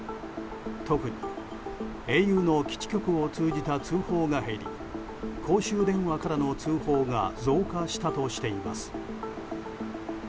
特にａｕの基地局を通じた通報が減り公衆電話からの通報が増加したとしています。